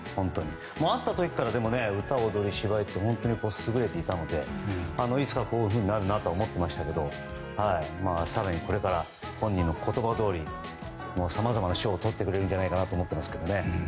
会った時から歌、踊り、芝居が本当に優れていたのでいつかこういうふうになるなと思っていましたけど更にこれから本人の言葉どおりさまざまな賞をとってくれると思いますけどね。